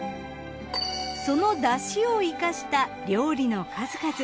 その出汁を生かした料理の数々。